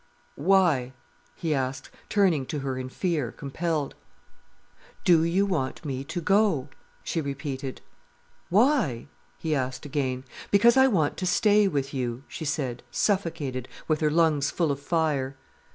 "Why?" he asked, turning to her in fear, compelled. "Do you want me to go?" she repeated. "Why?" he asked again. "Because I wanted to stay with you," she said, suffocated, with her lungs full of fire.